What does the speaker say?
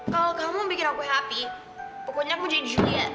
kalau kamu bikin aku happy pokoknya aku mau jadi juliet